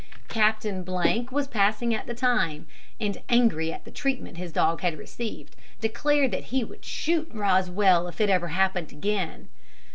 Captain was passing at the time, and, angry at the treatment his dog had received, declared that he would shoot Rosswell if it ever happened again.